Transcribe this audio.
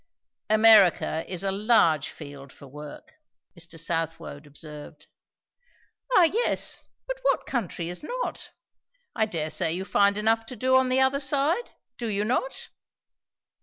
"America is a large field for work," Mr. Southwode observed. "Ah yes; but what country is not? I dare say you find enough to do on the other side. Do you not?"